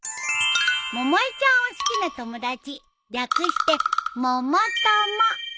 百恵ちゃんを好きな友達略して百友。